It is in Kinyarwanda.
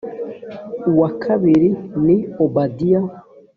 uwa kabiri ni obadiya